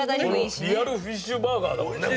リアルフィッシュバーガーだもんね